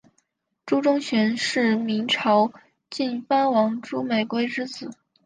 朱钟铉是明朝晋藩王朱美圭之子。